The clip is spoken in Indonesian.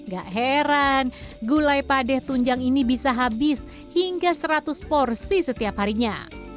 gak heran gulai padeh tunjang ini bisa habis hingga seratus porsi setiap harinya